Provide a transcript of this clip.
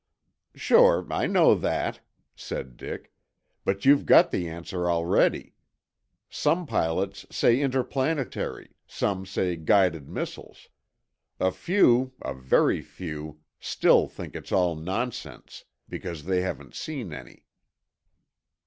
"Sure, I know that," said Dick. "But you've got thc answer already. Some pilots say interplanetary, some say guided missiles. A few—a very few—still think it's all nonsense, because they haven't seen any."